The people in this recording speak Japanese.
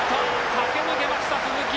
駆け抜けました、鈴木！